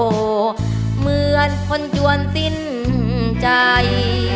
เหมือนคนจวนสิ้นใจ